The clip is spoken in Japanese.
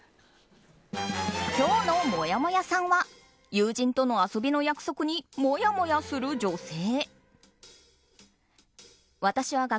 今日のもやもやさんは友人との遊びの約束にもやもやする女性。